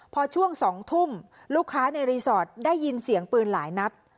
พอช่วง๒ทุ่มลูกค้าในรีสอร์ทได้ยินเสียงปืนหลายนัด